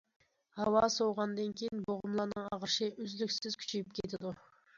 ھاۋا سوۋۇغاندىن كېيىن بوغۇملارنىڭ ئاغرىشى ئۈزلۈكسىز كۈچىيىپ كېتىدۇ.